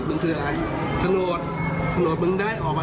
ก่อนที่มึงจะได้พวกนี้มา